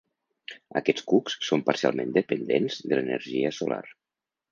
Aquests cucs són parcialment dependents de l'energia solar.